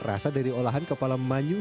rasa dari olahan kepala manyu